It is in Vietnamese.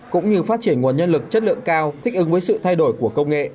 cũng như phát triển nguồn nhân lực chất lượng cao thích ứng với sự thay đổi của công nghệ